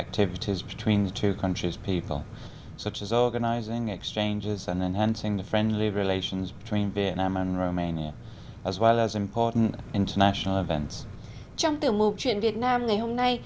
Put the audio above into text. trong tiểu mục chuyện việt nam ngày hôm nay